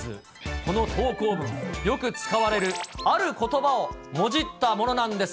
この投稿文、よく使われるあることばをもじったものなんです。